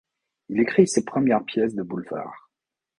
Il écrit ses premières pièces de boulevard.